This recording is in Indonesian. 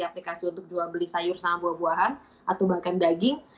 aplikasi untuk jual beli sayur sama buah buahan atau bahkan daging